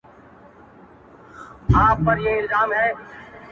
ته راځې خالقه واه واه سل و زر سواله لرمه”